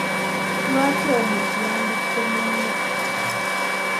Lwaki omuntu yandisse munne?